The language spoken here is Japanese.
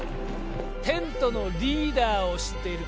テントのリーダーを知っているか？